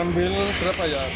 ambil berapa ya